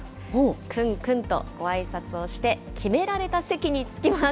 くんくんとごあいさつをして、決められた席に着きます。